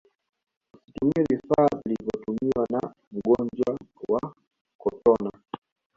usitumie vifaa vilivyotumiwa na mgonjwa wa kotona